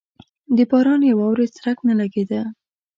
د باران یا واورې څرک نه لګېده.